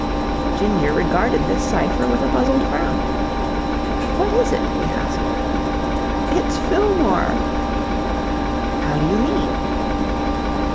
Ginger regarded this cipher with a puzzled frown. "What is it?" he asked. "It's Fillmore." "How do you mean?"